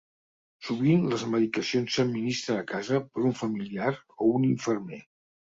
Sovint les medicacions s'administren a casa per un familiar o un infermer.